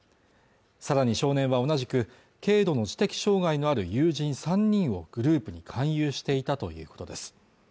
更に少年は同じく軽度の知的障害のある友人３人をグループに勧誘していたということです